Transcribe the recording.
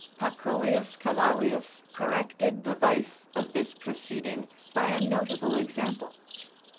Pacuvius Calavius corrected the vice of this proceeding by a notable example.